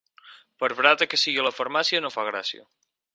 Per barata que sigui la farmàcia, no fa gràcia.